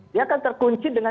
dia akan terkunci dengan